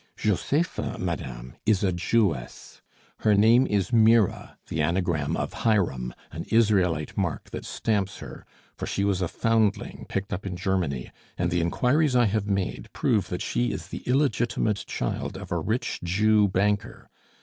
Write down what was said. "Josepha, madame, is a Jewess. Her name is Mirah, the anagram of Hiram, an Israelite mark that stamps her, for she was a foundling picked up in Germany, and the inquiries I have made prove that she is the illegitimate child of a rich Jew banker.